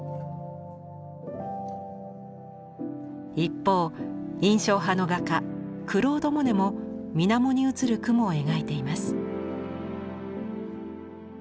一方印象派の画家クロード・モネも水面に映る雲を描いています。